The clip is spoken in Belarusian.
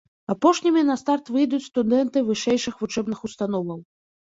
Апошнімі на старт выйдуць студэнты вышэйшых вучэбных установаў.